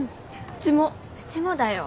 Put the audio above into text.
うちもだよ。